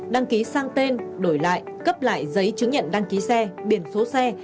đăng ký sang tên đổi lại cấp lại giấy chứng nhận đăng ký xe biển số xe